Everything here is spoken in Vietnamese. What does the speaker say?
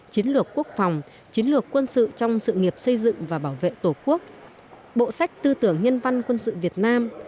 chiến lược quốc phòng chiến lược quân sự trong sự nghiệp xây dựng và bảo vệ tổ quốc bộ sách tư tưởng nhân văn quân sự việt nam